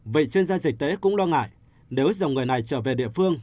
vị chuyên gia dịch tế cũng lo ngại nếu dòng người này trở về địa phương